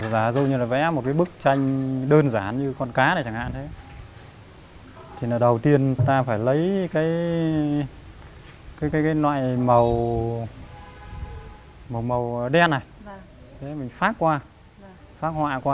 giả dụ như là vẽ một cái bức tranh đơn giản như con cá này chẳng hạn thì đầu tiên ta phải lấy cái loại màu đen này mình phát qua